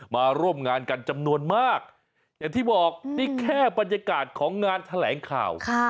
มาร่วมงานกันจำนวนมากอย่างที่บอกนี่แค่บรรยากาศของงานแถลงข่าว